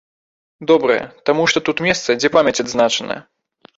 Добрае, таму што тут месца, дзе памяць адзначаная.